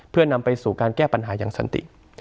เพื่อนำไปสู่การแก้ปัญหาอย่างสันติ